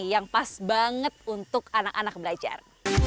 yang pas banget untuk anak anak belajar